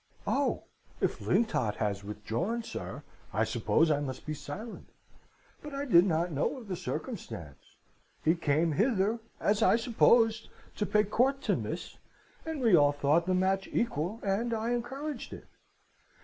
"'Oh! if Lintot has withdrawn, sir, I suppose I must be silent. But I did not know of the circumstance. He came hither, as I supposed, to pay court to Miss: and we all thought the match equal, and I encouraged it.'